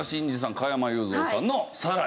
加山雄三さんの『サライ』。